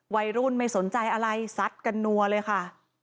วัยรุ่นไม่สนใจอะไรซัดกันนัวเลยค่ะ